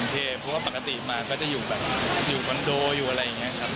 ไม่ได้อยู่ในกรุงเทพเพราะว่าปกติมาก็จะอยู่คอนโดอยู่อะไรอย่างนี้ครับ